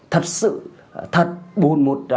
thật sự thật bồn một